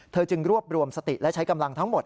จึงรวบรวมสติและใช้กำลังทั้งหมด